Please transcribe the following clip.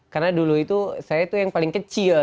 karena dulu itu saya itu yang paling kecil